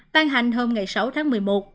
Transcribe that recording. ban hành hôm ngày sáu tháng một mươi một